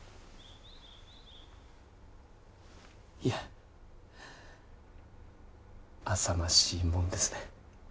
いやあさましいもんですね。